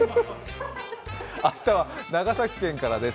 明日は長崎県からです。